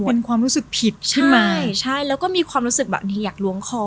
เป็นความรู้สึกผิดใช่ไหมใช่ใช่แล้วก็มีความรู้สึกแบบบางทีอยากล้วงคอ